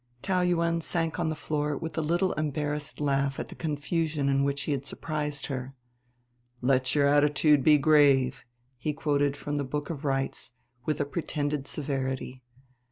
Taou Yuen sank on the floor with a little embarrassed laugh at the confusion in which he had surprised her. "Let your attitude be grave," he quoted from the Book of Rites with a pretended severity.